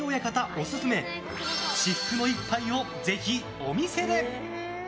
オススメ至福の１杯をぜひお店で！